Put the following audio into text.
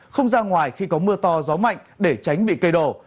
không ra ngoài khi có mưa to gió mạnh để tránh bị cây đổ